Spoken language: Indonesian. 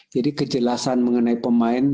jadi kejelasan mengenai pemain